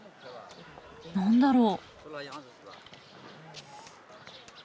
何だろう？